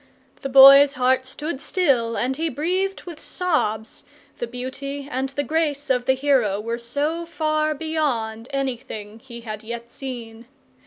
The Boy's heart stood still and he breathed with sobs, the beauty and the grace of the hero were so far beyond anything he had yet seen.